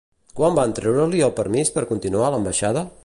Quan van treure-li el permís per continuar a l'ambaixada?